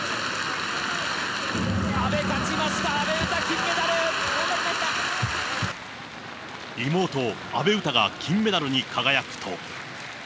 阿部、勝ちました、阿部詩、金メ妹、阿部詩が金メダルに輝くと。